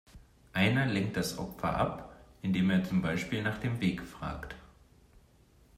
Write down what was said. Einer lenkt das Opfer ab, indem er es zum Beispiel nach dem Weg fragt.